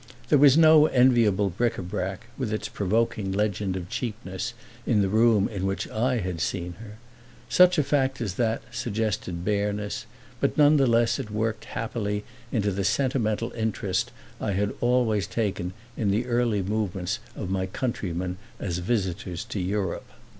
There was no enviable bric a brac, with its provoking legend of cheapness, in the room in which I had seen her. Such a fact as that suggested bareness, but nonetheless it worked happily into the sentimental interest I had always taken in the early movements of my countrymen as visitors to Europe.